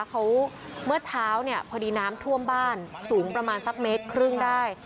เขาเมื่อเช้าเนี่ยพอดีน้ำท่วมบ้านสูงประมาณสักเมตรครึ่งได้